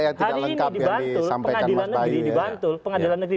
yang tidak lengkap yang disampaikan mas bayu pengadilan negeri dibantul pengadilan negeri